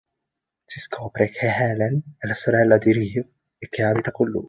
Si scopre che Helen è la sorella di Reeve e che abita con lui.